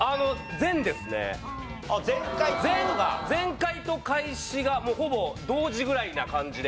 全開と開始がもうほぼ同時ぐらいな感じで。